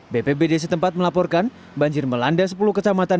bpbd setempat melaporkan banjir melanda sepuluh kecamatan